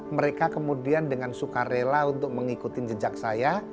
mereka kemudian dengan suka rela untuk mengikuti jejak saya